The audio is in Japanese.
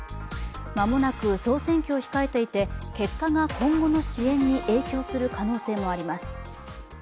まもなく総選挙を控えていて、結果が今後の支援に影響する可能性もあります。